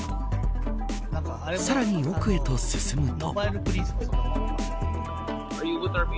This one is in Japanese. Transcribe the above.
さらに奥へと進むと。